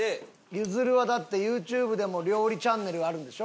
ゆずるはだってＹｏｕＴｕｂｅでも料理チャンネルがあるんでしょ？